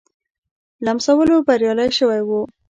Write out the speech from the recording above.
لمسولو بریالی شوی وو.